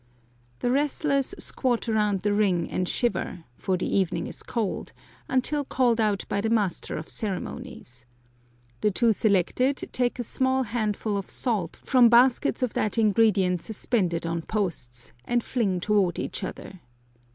The wrestlers squat around the ring and shiver, for the evening is cold, until called out by the master of ceremonies. The two selected take a small handful of salt from baskets of that ingredient suspended on posts, and fling toward each other.